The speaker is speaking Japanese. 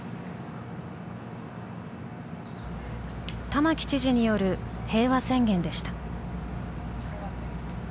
玉城知事による平和宣言でした。